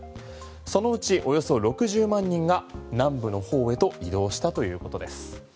そのうちおよそ６０万人が南部の方へと移動したということです。